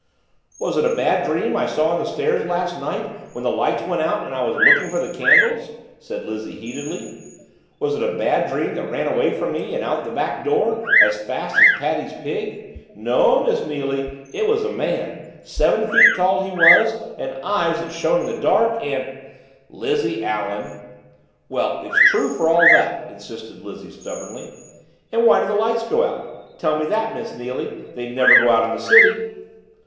"Was it a bad dream I saw on the stairs last night when the lights went out and I was looking for the candles?" said Lizzie heatedly. "Was it a bad dream that ran away from me and out the back door, as fast as Paddy's pig? No, Miss Neily, it was a man Seven feet tall he was, and eyes that shone in the dark and " "Lizzie Allen!" "Well, it's true for all that," insisted Lizzie stubbornly. "And why did the lights go out tell me that, Miss Neily? They never go out in the city."